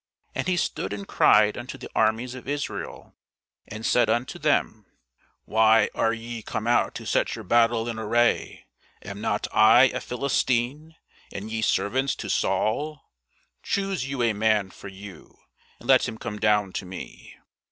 And he stood and cried unto the armies of Israel, and said unto them, Why are ye come out to set your battle in array? am not I a Philistine, and ye servants to Saul? choose you a man for you, and let him come down to me.